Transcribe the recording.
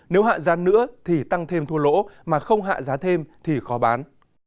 nếu hạ giá nữa thì tăng thêm thua lỗ mà không hạ giá thêm thì khó bán